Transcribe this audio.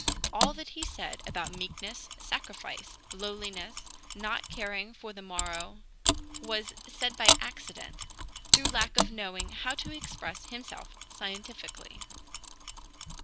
All that he said about meekness, sacrifice, lowliness, not caring for the morrow, was said by accident, through lack of knowing how to express himself scientifically.